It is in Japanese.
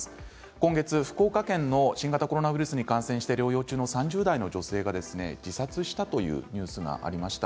今月、福岡県の新型コロナウイルスに感染して療養中の３０代の女性が自殺したというニュースがありました。